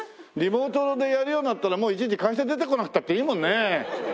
リモートでやるようになったらもういちいち会社出てこなくたっていいもんね。